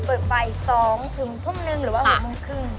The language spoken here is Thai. เปิดบ่าย๒ถึงทุ่มนึงหรือว่า๖โมงครึ่ง